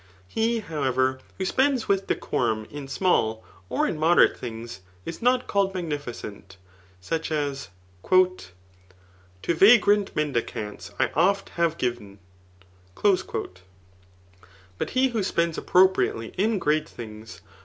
He, how ever, who spends with decorum in small, or in moderate thibgs^ is not called magnificent ; such as. To vagrant mendicanu I oftbavc.giv'n;' but he who spends appropriately in great things.